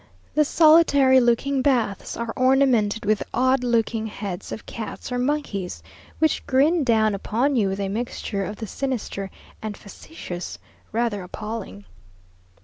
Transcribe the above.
The solitary looking baths are ornamented with odd looking heads of cats or monkeys, which grin down upon you with a mixture of the sinister and facetious rather appalling.